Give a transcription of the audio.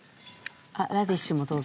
ラディッシュもどうぞ。